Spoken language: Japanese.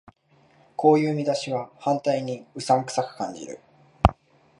こういう見出しは反対にうさんくさく感じる